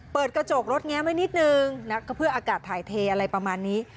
เปิดกระจกรถแง้มไว้นิดนึงเพื่ออากาศถ่ายเทอะไรประมาณนี้